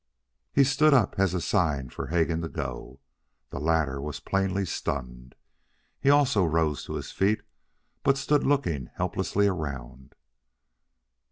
He stood up as a sign for Hegan to go. The latter was plainly stunned. He also rose to his feet, but stood looking helplessly around.